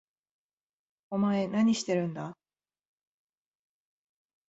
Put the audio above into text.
お前何してるんだ？